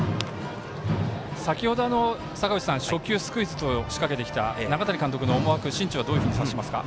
先ほど、初球スクイズを仕掛けてきた中谷監督の思惑、心中はどういうふうに察しますか？